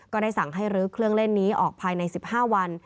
ก็ได้สั่งให้ลื้อเครื่องเล่นนี้ออกภายใน๑๕วัน